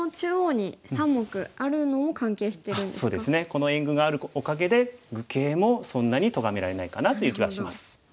この援軍があるおかげで愚形もそんなにとがめられないかなという気はします。